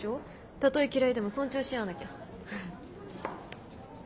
たとえ嫌いでも尊重し合わなきゃハハ。